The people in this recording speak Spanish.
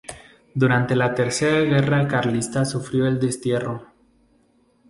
Durante la tercera guerra carlista sufrió el destierro.